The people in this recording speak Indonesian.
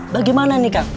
bagaimana ini kak